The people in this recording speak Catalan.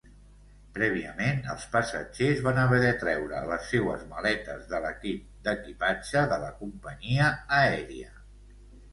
Prèviament, els passatgers van haver de treure les seues maletes de l'equip d'equipatge de la companyia aèria.